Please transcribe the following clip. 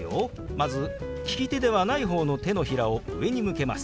まず利き手ではない方の手のひらを上に向けます。